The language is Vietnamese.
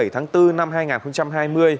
hai mươi bảy tháng bốn năm hai nghìn hai mươi